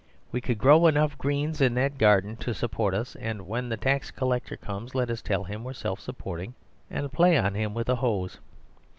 We could grow enough greens in that garden to support us, and when the tax collector comes let's tell him we're self supporting, and play on him with the hose....